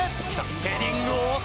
ヘディング大迫！